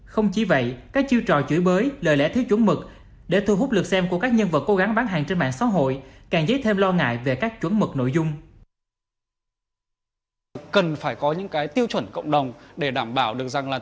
không chỉ vậy các chiêu trò chửi bới lời lẽ thiếu chuẩn mực để thu hút lượt xem của các nhân vật cố gắng bán hàng trên mạng xã hội càng dế thêm lo ngại về các chuẩn mực nội dung